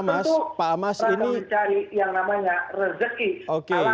kita harus mencari yang namanya rezeki